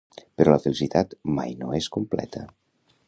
Però la felicitat mai no és completa.